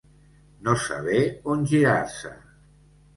No saber on girar-se.